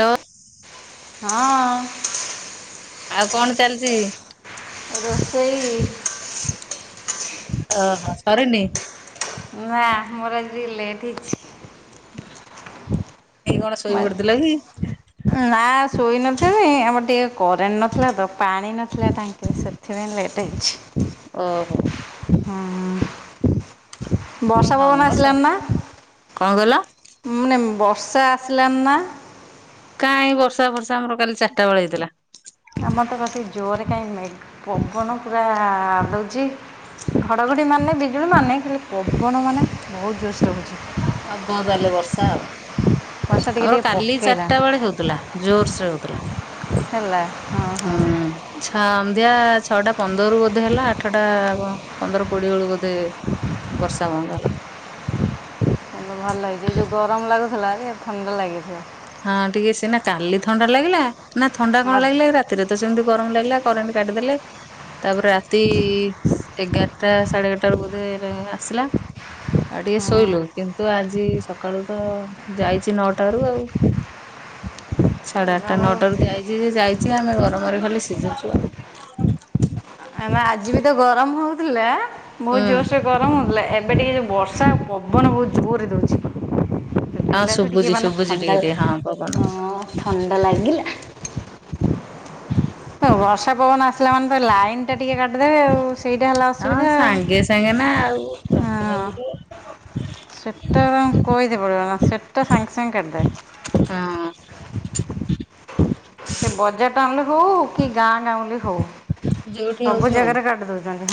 ଲୋ। ହଁ। ଆଉ କଣ ଚାଲିଚି। ରୋଷେଇ ଅ ହ ସରିନି। ନାଁ ମୋର ଆଜି ଟିକେ ଲେଟ୍ ହେଇଚି। [inaudible] ପଡିଥିଲ କି? ନା ଶୋଇ ନଥିଲି ଆମର ଟିକେ କରେଣ୍ଟ ନଥିଲା ତ। ପାଣି ନଥିଲା ତାଙ୍କେ ସେଥିପାଇଁ ଲେଟ୍ ହେଇଚି। ଓହୋ ହୁଁ ହୁଁ। ବର୍ଷା ହଁ ପବନ ମ ଆସିଲାଣି ସରିନି। ନା। କଣ କହିଲ ନା ବ ବର୍ଷା ଆସିଲାଣି ନା କାଇଁ ବର୍ଷା ଫର୍ଷା ଆମର କାଲି ଚାରିଟା ବେଳେ ହେଇଥିଲା। ଆମରତ ଗଠ ଜୋରରେ କାଇଁ ମେ ପବନ ପୁରା ଆଲଉଛି। ଘଡଘଡି ମାରୁନାଇଁ ବିଜୁଳି ମାରୁନାଇଁ ଖାଲି ପବନ ମାନେ ଭଉତ୍ ଜୋର୍ ସେ ରେ ହଉଚି। ହବ ତାହେଲେ ବର୍ଷା ଆଉ। ବର୍ଷା ଟିକେ ଆମର ଟିକେ କାଲି ପକେଇଲା ଚାରିଟା ବେଳେ ହଉଥିଲା ଜୋର୍ ସେ ରେ ହଉଥିଲା। ହେଲା ହଁ ହଁ। [unintelligible] ଛଅଟା ପନ୍ଦରରୁ ବୋଧେ ହେଲା ଆଠଟା ପନ୍ଦର କୋଡ଼ିଏ ବେଳୁ ବୋଧେ ବର୍ଷା ବନ୍ଦ ହେଲା। ଭଲ ହେଇଛି ଏ ଯୋଉ ଗରମ ଲାଗୁଥିଲା ଯେ ଥଣ୍ଡା ଲାଗିଥିବ। ହଁ ଟିକେ ସିନା କାଲି ଥଣ୍ଡା ଲାଗିଲା ନା ଥଣ୍ଡା କଣ ଆଜି ଲାଗିଲା ରାତିରେ ତ ସେମିତି। ଗରମ ଲାଗିଲା କରେଣ୍ଟ କାଟିଦେଲେ। ତାପରେ ରାତି ଏଗାରଟା ସାଢେ ଏଗାରଟା ବେଳକୁ ବୋଧେ ଆସିଲା। ଆଉ ଟିକେ ଶୋଇଲୁ ହଁ କିନ୍ତୁ ଆଜି ସକାଳୁ ତ ଯାଇଛି ନଅଟାରୁୁ ଆଉ। ସାଢେ ଆଠଟା ଆମର- ନଅଟାରୁ ଯାଇଛି ଯେ ଯାଇଛି ଆମେ ଗରମରେ ଖାଲି ସିଝୁଛୁ ଆଉ। ଆମେ ଆଜି ବି ତ ଗରମ ହଉଥିଲା। ବହୁତ ହୁଁ। ଜୋରସରେ ଗରମ ହଉଥିଲା ଏବେ ଟିକେ ଯୋଉ ବର୍ଷା ପବନ ବହୁତ ଜୋରରେ ଦଉଛି। ହଁ ଦେଲାଠୁ ଶୁଭୁଛି ଟିକେ ମାନେ ଶୁଭୁଛି ଟିକେ ଥଣ୍ଡା ଟିକେ ପବନ ହଁ ଥଣ୍ଡା ଲାଗିଲା। [unintelligible] ତ ବର୍ଷା ପବନ ଆସିଲା ମାନେ ତ ଲାଇନ ଟା। ଟିକେ କାଟିଦେବେ ଆଉ ସେଇଟା ହେଲା ହଁ ଅସୁବିଧା ଆଉ ସାଙ୍ଗେ ସାଙ୍ଗେ ନା ଆଉ ହଁ। ରଖୁଛନ୍ତି [unintelligible] ସେଟା କହିଦେ ପଡ଼ିବ ନା ସେଟା ସାଙ୍ଗେ ସାଙ୍ଗେ ହଁ କାଟିଦେବେ। ସେ ବଜାର ଟାଉନ୍ ରେ ହଉ କି ଗାଁ ଗାଉଁଲି ହଉ। ଯୋଉଠି ହଉଛି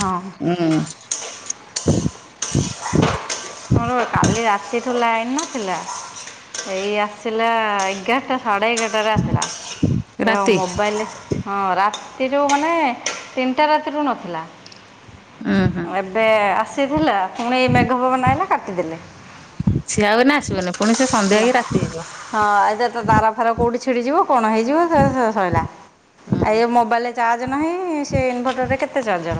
ହଁ ଉଁ। [unintelligible] ମୋର କାଲି ରାତି ଠୁ ଲାଇନ୍ ନଥିଲା ଏଇ ଆସିଲା ଏଗାରଟା। ସାଢ଼େ ଏଗାରଟାରେ ଆସିଲା ରାତି ମୋବାଇଲ ହଁ ରା। ରାତିରୁ ମାନେ ତିନିଟା ରାତିରୁ ନଥିଲା ଉଁ ହୁଁ। ଏବେ ଆସ। ଥିଲା ପୁଣି ଏଇ ମେଘ ପବନ ଆଇଲା କାଟିଦେଲେ। ସିଏ ଆଉ ଏଇନା ଆସିବନି ପୁଣି ସେ ସନ୍ଧ୍ୟା ନା ହେଇକି ରାତି ହେଇଯିବ। ହଁ ଏବେ ତ ତାର ଫାର କୋଉଠି କଣ ହେଇଯିବ ସେ ସେ ସଇଲା। ହୁଁ। ଇଆ ମୋବାଇଲରେ ଚାର୍ଜ ନାହିଁ ସେ ଇନଭଟରରେ କେତେ ଚାର୍ଜର।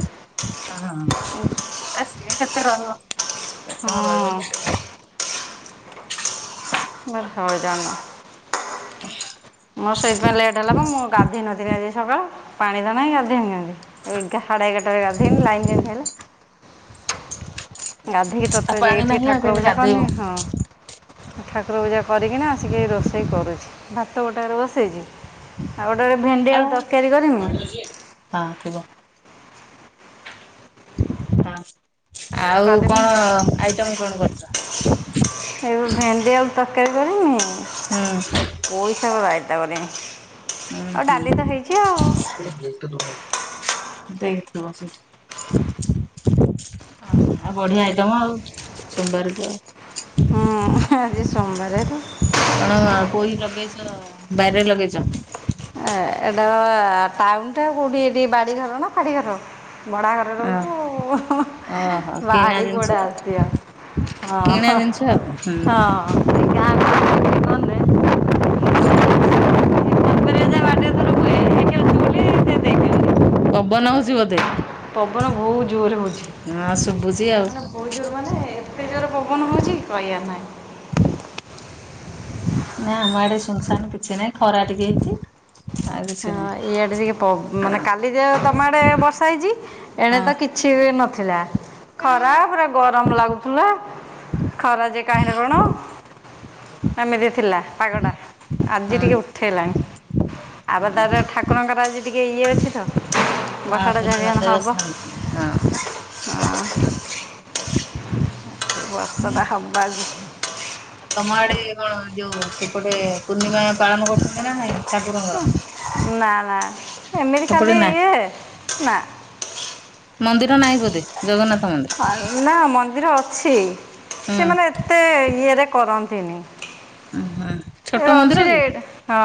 ହଁ ଆସିବା କେତେବେଳେ। କଣ ହଁ କହିବ ସେ। ବଟ ହଇରାଣ। [unintelligible] ମୋର ସେଇଥିପାଇଁ ଲେଟ୍ ହେଲା ବା ମୁଁ ଗାଧେଇ ନଥିଲି ଆଜି ସକାଳୁ ପାଣି ତ ନାହିଁ ଗାଧେଇବି କେମିତି। ଏଗା ସାଢେ ଏଗାରଟାରେ ଗାଧେଇନି ଲାଇନ୍ କେମତି ହେଲା। ଗାଧେଇକି ଆଉ ତରତର ପାଣି ଯାଇକି ଟିକେ ନାହିଁ ଆଉ ଠାକୁର କେମିତି ପୂଜା ଗାଧେଇବ। କରିନି ହଁ ଠାକୁର ପୂଜା। କରିକିନା ଆସିକି ରୋଷେଇ କରୁଛି ଭାତ ଗୋଟାକରେ ବସେଇଛି। ଆଉ ଗୋଟେ ରେ ଭେଣ୍ଡି ଆଳୁ ଆଉ ତରକାରୀ କରିନି। ହଁ ଥିବ। ହଁ। ଏଇଆ ଆଉ କରିମି କଣ ଆଇଟମ କଣ ଏ କରିଛ। ଭେଣ୍ଡି ଆଳୁ ତରକାରୀ କରିନି ହୁଁ। ଆଉ ପୋଇସାଗ ସୟତା କରିବି। ହୁଁ ହୁଁ। ଦେଇଥବ ସେ। ଆଉ ବଢିଆ ଆଇଟମ ଆଉ ସୋମବାରକୁ ଆଉ। ହୁଁ ଆଜି ସୋମବାର ତ। କଣ ପୋଇ ଲଗେଇଛ ବାଇରେ ଲଗେଇଛ?। ଏ ଏଟା ଟାଉନ ଟ କୋଉଠି ଏଠି ବାଡିଘର ନା ଫାଡିଘର। ଭଡା ଘରେ ହଁ ରହୁଛୁ ବାଡି କୁଆଡେ ଆଶିବ। କିଣିବା ଜିନିଷ ଆଉ। ହୁଁ। ହଁ [unintelligible] ହୁଁ। କରିବା ଯେ ବାଡ଼ିରେ ଧର ହୁଏ ଏଠି ଅଛି ବୋଲି ସେ ଦେଇଦିଅନ୍ତି ପବନ ହଉଛି ବୋଧେ? ପବନ ବୋହୁତ ଜୋରେ ହୋଉଛି। ହଁ ଶୁଭୁଛି ଆଉ ମାନେ ବହୁତ ଜୋର ମାନେ ଏତେ ଜୋରେ ପବନ ହଉଛି କହିବାର ନାହିଁ। ନା ଆମ ଆଡେ ଶୁନ ସାନ କିଛି ନାହିଁ ଖରା ଟିକେ ହେଇଚି। ହଁ ଇଆଡେ ଟିକେ ପବ ମାନେ କାଲି ଯେ ତମ ଆଡେ ବର୍ଷା ହେଇଛି ଏଣେ ହଁ ତ କିଛି ବି ନଥିଲା। ହେଲା ଖରା ପୁରା ଗରମ ଲାଗୁଥିଲା, ଖରା ଯେ କାହିଁରେ କଣ ଏମିତି ଥିଲା ପାଗଟା ଆଜି ହଁ ଟିକେ ଉଠେଇଲାଣି। ଆପ ତାର ଠାକୁରଙ୍କର ଆଜି ଟିକେ ଇଏ ଅଛି ତ ହଁ ବର୍ଷାଟା ପୂର୍ଣ୍ଣିମା ଯଦି ହବ। ଦେବସ୍ନାନ ପୂର୍ଣ୍ଣିମା ହଁ। ହଁ। ବର୍ଷା ଟା ହବ ଆଜି। ତମ ଆଡେ କଣ ଯୋଉ ସେପଟେ ପୂର୍ଣ୍ଣିମା ପାଳନ କରୁଛନ୍ତି ନା ନାହିଁ? ନା ନା ଏମିତି ସେପଟେ ଖାଲି ନା ଇଏ ନା। ମନ୍ଦିର ନାହିଁ ବୋଧେ ଜଗନ୍ନାଥ ମନ୍ଦିର ନା ମନ୍ଦିର ଅଛି ହୁଁ ସେମାନେ ଏତେ ଇଏରେ କରନ୍ତିନି। ଉଁ ହୁଁ। ଛୋଟ ଏ ମନ୍ଦିର ଅଛି ଯେ କି? ହଁ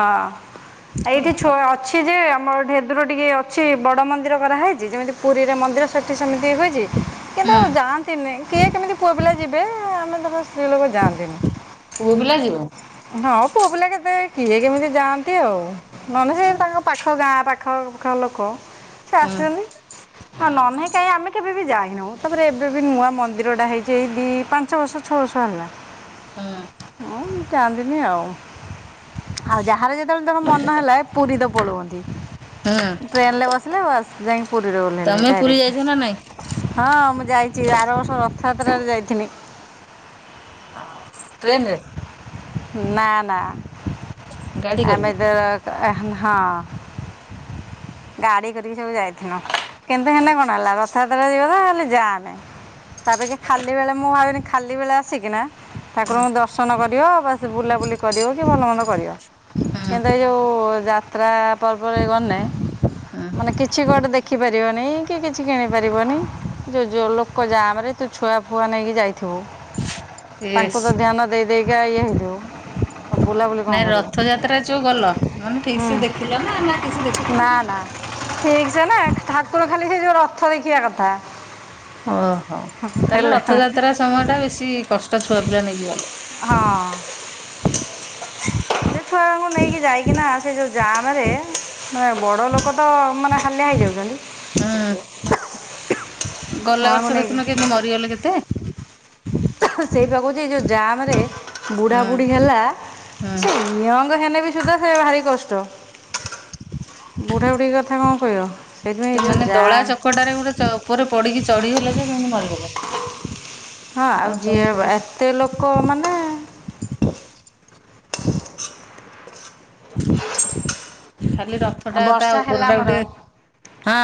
ଏଇଠିଛ ଅଛି ଯେ ଆମ ଢେଦୁର ଟିକେ ଅଛି ବଡ ମନ୍ଦିର କରାହେଇଛି ଯେମିତି ପୁରୀରେ ମନ୍ଦିର ସେଠି ସେମିତି ହଉଛି କିନ୍ତୁ ହୁଁ ଆଉ ଯାଆନ୍ତିନି କିଏ କେମିତି ପୁଅ ପିଲା ଯିବେ ଆମେ ଧର ସ୍ତ୍ରୀ ଲୋକ ଯାଆନ୍ତିନି। ପୁଅ ପିଲା ଯିବ ହୁଁ ହଁ ପୁଅ ବିଲା କେତେ କିଏ କେମିତି ଯାଆନ୍ତି ଆଉ ନନେ ସେ ତାଙ୍କ ପାଖ ଗାଁ ପାଖ ଖ ପାଖ ଲୋକ ସେ ଆସେନି ନନେଇ। କାଇହିଁ ଆମେ କେବେ ବି ଯାଇନାଉ ତାପରେ ଏବେ ବି ନୂଆ ମନ୍ଦିରଟା ହେଇଛି ଦି ପାଞ୍ଚ ବର୍ଷ ଛଅ ବର୍ଷ ହେଲା। ହୁଁ। ହଁ ମୁଁ ଚାହାନ୍ତିିନି ଆଉ ଆଉ ଯାହାର ଯେ ତଳେ ଧର ମନ ହେଲା ପୁରୀ ତ ପଳୁଅନ୍ତି। ହୁଁ ଟ୍ରେନ ରେ ବସିଲେ ବାସ ଯାଇକି ପୁରୀରେ ଓହ୍ଲେଇଲେ ତମେ ପୁରୀ ଯାଇଛ ଡାଇରେକ୍ଟ। ନା ନାଇଁ ହଁ ମୁଁ ଯାଇଛି ଆର ବାର ବର୍ଷ ରଥଯାତ୍ରାରେ ଯାଇଥିନି। ହଁ ଟ୍ରେନ୍ ରେ? ନା ନା ଗାଡି ଆମେ କରିକି? ହଁ ଗାଡି କରିକି ସବୁ ଯାଇଥିନୁ। କିନ୍ତୁ ହେନେ କଣ ହେଲା ରଥଯାତ୍ରା ଯିବ ତ ହେଲେ ଯାମେ। ତା ଅପେକ୍ଷା ଖାଲି ବେଳେ ମୁଁ ଭାବିନି ଖାଲି ବେଳେ ଆସିକି ନା ଠାକୁର ଙ୍କୁ ଦର୍ଶନ ଦର୍ଶନ କରିବ ବା ସେ ବୁଲାବୁଲି କରିବ କି ଭଲ ମନ୍ଦ କରିବ। କିନ୍ତୁ, ହୁଁ ଏଇ ଯୋଉ ଯାତ୍ରା ପର୍ବରେ ଗନେ ହୁଁ ମାନେ କିଛି କୁଆଡେ ଦେଖି ପାରିବନି କି କିଛି କିଣି ପାରିବନି ଯୋଉ ଯୋଉ ଲୋକ ଜାମରେ ତୁ ଛୁଆ ଫୁଆ ନେଇକି ଯାଇଥିବୁ [inaudible] ତାଙ୍କୁ ତ ଏସ୍ ଧ୍ୟାନ ଦେଇ ଦେଇ ଦେଇକା ଇଏ ହେଇଯିବୁ। ନାଇଁ ରଥଯାତ୍ରା ଯୋଉ ଗଲ ମାନେ ଠିକ ହୁଁ ସେ ଦେଖିଲ ନା ନା କିଛି ଦେଖିପାରିଲନି ଠିକ ସେ ନା ହାତକୁ ଖାଲି ସେ ଯୋଉ ରଥ ଦେଖିବା କଥା। ଓହୋ ତାହେଲେ ହେଲା ରଥଯାତ୍ରା ସମୟ ଟା ବେଶୀ କଷ୍ଟ ଛୁଆ ପିଲା ନେଇକି ଗଲେ ହଁ। [inaudible] ଛୁଆଙ୍କୁ ନେଇକି ଯାଇକିନା ସେ ଯୋଉ ଜାମ ରେ ମାନେ ବଡ ଲୋକ ତ ମାନେ ହାଲିଆ ହୁଁ [unintelligible] ଗଲା ଛୁଆଙ୍କୁ ବର୍ଷ ନେଇକି ଦେଖୁନୁ କେମିତି ମରିଗଲେ କେତେ? ସେଇ ପା କହୁଛି ଏଇ ଯୋଉ ଜାମ ରେ ବୁଢ଼ାବୁଢ଼ୀ ହେଲା ହୁଁ ସେ ନିଅଙ୍ଗ ହେବି ସୁଦ୍ଧା ସେ ଭାରି କଷ୍ଟ [unintelligible] ବୁଢା ବୁଢୀ କଥା କଣ କହିବ? ସେଇଥିପାଇଁ ଏଇ ସେ ଯୋଉ ମାନେ ଦଳା ଜାମ୍ ଚକଟାରେ ଗୋଟେ ଉପରେ ପଡିକି ଚଢିଗଲେ ଯେ କେମିତି ମରିଗଲେ। ହଁ ଆଉ କଣ ଯିଏ କହୁଛୁ ଏତେ ଲୋକ ମାନେ [inaudible] [inaudible] ଖାଲି ରଥ ଟା ତା ବର୍ଷା ଉପର ହେଲା ଟା ଆମର ଗୋଟେ ହଁ।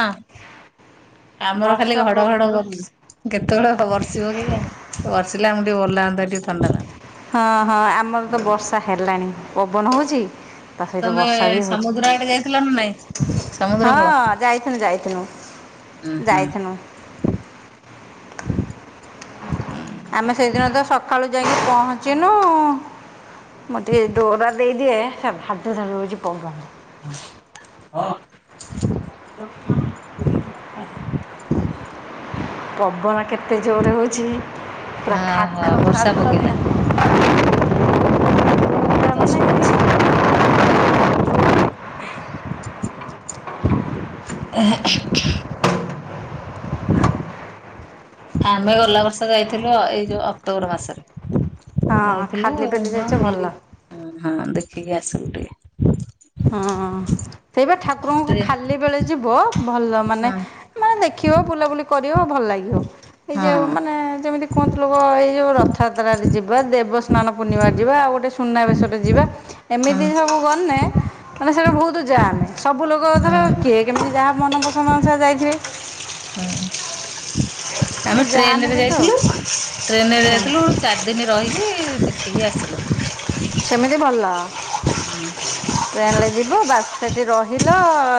ଆମର ଖାଲି ବର୍ଷା ଘଡ ଘଡ ପ୍ରବଳ କେତେବେଳ ବର୍ଷିବ କେଜାଣି ବର୍ଷିଲେ ଆମକୁ ଟିକେ ଭଲ ଲାଗନ୍ତା ଟିକେ ଥଣ୍ଡା ଲାଗନ୍ତା। ହଁ ହଁ ଆମର ତ ବର୍ଷା ହେଲାଣି ପବନ ହଉଚି? ତା ଆଉ ସହିତ ତମେ ବର୍ଷା ବି ହଉଛି ସମୁଦ୍ର ଆଡେ ଯାଇଥିଲ ନା ନାଇଁ ସମୁଦ୍ର ହଁ କୂଳ? ଯାଇଥିନୁ ଯାଇଥିନୁ। ହୁଁ ହୁଁ। ଯାଇଥିନୁ। [inaudible] ଆମେ ସେଇଦିନ ତ ସକାଳୁ ଯାଇକି ପହଞ୍ଚିନୁ ମୋ ଟିକେ ଡୋରା ଦେଇଦିଏ। ଆ ହା ଧାଡ଼ୁ ଧାଡୁ ହୋଉଚି ପବନ। ହଁ। ପବନ କେତେ ଜୋରରେ ହଉଚି? ପୁରା ଖା ଓହୋ ଖ ବର୍ଷା ଖାତ ପକେଇଲା ଦ [unintelligible] ହଁ ତ ଶୁଭୁଛି। ଆ [unintelligible] [inaudible] ଆମେ ଗଲା ବର୍ଷ ଯାଇଥିଲୁ ଏଇ ଯୋଉ ଅକ୍ଟୋବର ମାସରେ। ହଁ ଯାଇଥିଲୁ ଖାଲି ବେଲି ହଁ ଯାଇଛ ଭଲ ବୁଲିକି ହଁ ଦେଖିକି [unintelligible] ହଁ ସେଇବା ଠାକୁରଙ୍କୁ ଟିକେ ଖାଲି ବେଳେ ଯିବ ଭଲ ମାନେ ହଁ ଦେଖିବ ବୁଲାବୁଲି କରିବ ଭଲ ଲାଗିବ ଏଇ ଯୋଉ ହଁ। ମାନେ ଯେମିତି କୁହନ୍ତି ଲୋକ ଏ ଯୋଉ ରଥ ଭାତ ରାନ୍ଧିଚି। ଦେବସ୍ନାନ ପୂର୍ଣ୍ଣିମା ଯିବା ଆଉ ଗୋଟେ ସୁନାବେେଶରେ ଯିବା ହଁ ଏମିତି ସବୁ ଗନେ ମାନେ ସେଇଟା ଭୋଉତୁ ଯାମେ ସବୁ ଲୋକ ଧର ହଁ କିଏ କେମିତି ଯାହା ମନ ପସନ୍ଦ ସେ ଯାଇଛି। ହଁ ଆମେ ଜାମେ ଟ୍ରେନେରେ କିନ୍ତୁ ଯାଇଥିଲୁ। ଟ୍ରେନ ରେ ହୁଁ ଯାଇଥିଲୁ ଚାରି ଦିନ ରହିକି ଦେଖିକି ଆସିଲୁ। ସେ। ମେବି ଭଲ ହୁଁ ଟ୍ରେନରେ ଯିବୁ ବାସ୍ ସେଠି ରହିଲ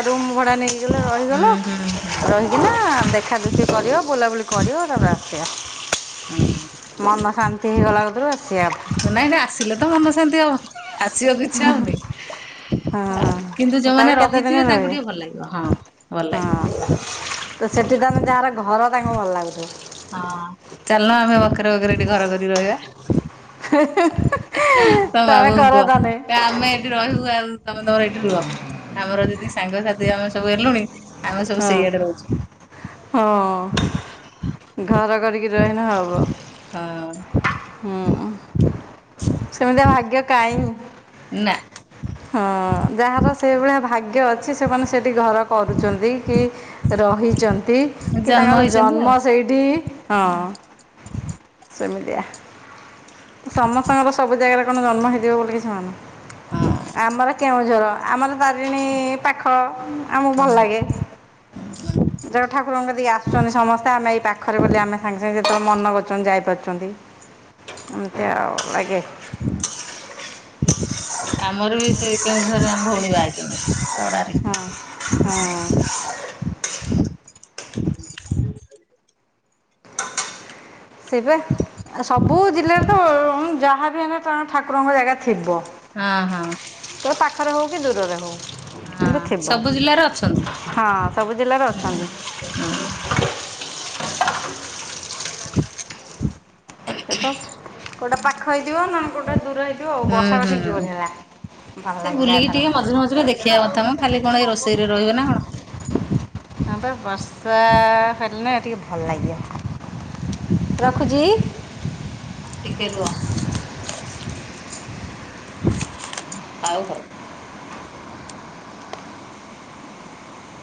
ରୁମ୍ ଭଡ଼ା ନେଇକି ଗଲ ରହିଗଲ ହୁଁ ହୁଁ ରହିକିନା ଦେଖା ଦୁଖି କରିବ ବୁଲାବୁଲି କରିିବ ତାପରେ ଆସିବା। ହୁଁ। ମନ ଶାନ୍ତି ହେଇଗଲା କତୁରୁ ଆସିବା। ନାଇଁ ନାଇଁ ଆସିଲେ ତ ମନ ଶାନ୍ତି ହବ ଆସିବା କୁ ଇଛା ହୋଉନି। କଥା ଆଉ କିନ୍ତୁ ହଁ ତାପରେ ଯୋଉମାନେ କେତେ ଦିନ ରହିଥିବେ ତାଙ୍କୁ ରହିବେ? ଟିକେ ଭଲ ଲାଗିବ ହଁ ଭଲ ହଁ ଲାଗିଅ। ତ ସେଠି ତାନେ ଯାହାର ଘର ତାଙ୍କୁ ଭଲ ଲାଗୁଥୁବ। ଚାଲୁନ ଆମେ ବଖରେ ବଖରେ ଏଠି ଘର କରି ରହିବା ତମ ତମେ କର ବାବୁଙ୍କୁୁହ ତାନେ କୁଅ ଆମେ ଏଠି ରହିବୁ ଆଉ। ତମେ ତମର ଏଇଠି ରୁହ ଆମର ଯଦି ସାଙ୍ଗସାଥି ଆମେ ସବୁ ହେଲୁଣି ଆମେ ସବୁ ହଁ ସେଇଆଡେ ରହିଛୁ। ହଁ ଘର କରିକି ରହିନେ ହବ। ହଁ। ହୁଁ ସେମିତିଆ ଭାଗ୍ୟ କାଇଁ? ନା ହଁ ଯାହାର ସେଇଭଳିଆ ଭାଗ୍ୟ ଅଛି ସେମାନେ ସେ କି ଘର କରୁଚନ୍ତି କି ରହିଚନ୍ତି କି ଜନ୍ମ ତାଙ୍କର ହେଇଛନ୍ତି ଆଉ ଜନ୍ମ ସେଇଠି? ହଁ ସେମିତିଆ। ସମସ୍ତଙ୍କର ସବୁ ଜାଗାରେ କଣ ଜନ୍ମ ହେଇଯିବ ବୋଲି କିଛି ମାନେ, ହଁ। ଆମର କେଉଁଝର। ଆମର ତାରିଣୀ ପାଖ ଆମୁକୁ ଭଲ ଲାଗେ। ଜଗା ଠାକୁରଙ୍କ କତିକି ଆସୁଚନ୍ତି ସମସ୍ତେ ଆମେ ଏଇ ପାଖରେ ବୋଲି ଆମେ ସାଙ୍ଗେ ସାଙ୍ଗେ ଯେତେବେଳେ ମନ କରୁଚନ୍ତି ଯାଇପାରୁ ଛନ୍ତି ଏମ୍ ତି ଆଉ ଲାଗେ। ଆମର ବି ସେଇ କେଉଁଝରେ ଆମ ଭୋଉଣୀ ବାହା ହେଇଚନ୍ତି। ହଁ ହଁ। ସେଇପା ସବୁ ଜିଲ୍ଲାରେ ତ ଯାହାବି ହେନେ କଣ ଠାକୁରଙ୍କ ଜାଗା ଥିବ ହଁ ହଁ ତ ପାଖରେ ହୋଉ କି ଦୂରରେ ହୋଉ। ହଁ ସବୁ ଜିଲ୍ଲାରେ ଅଛନ୍ତି ହୁଁ। ହଁ ସବୁ ଜିଲ୍ଲାରେ ଅଛନ୍ତି ତ କୋଉଟା ପାଖ ହେଇଥିବ ନନେ କୋଉଟା ଦୂର ହେଇଥିବ ଆଉ ବର୍ଷା ହୁଁ ବେଷି ହୁଁ ଜୋରେ ହେଲା। ଭଲ୍ ଏ ଲାଗିଲା ବୁଲିକି ଏଥର। ଟିକେ ମଝିରେ ମଝିରେ ଦେଖିବା କଥା ମ ଖାଲି କଣ ଏଇ ରୋଷେଇରେ ରହିବ ନା କଣ ହଁ ପା। ବର୍ଷା ହେଲେ ଟିକେ ଭଲ୍ ଲାଗିବ, ରଖୁଛି। ଟିକେ ରୁହ। ଆଉ ହୋ